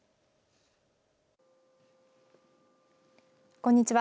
こんにちは。